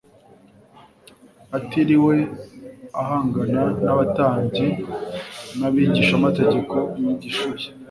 Atiriwe ahangana n'abatambyi n'abigishamategeko inyigisho ye